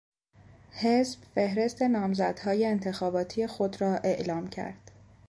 حزب فهرست نامزدهای انتخاباتی خود را اعلام کرد.